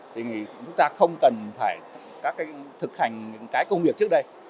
thì chúng ta không cần phải thực hành những cái công việc trước đây